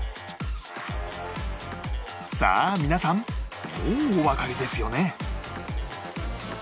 さあ皆さんもうおわかりですよね？